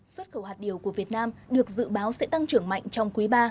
xuất khẩu hạt điều của việt nam được dự báo sẽ tăng trưởng mạnh trong quý ba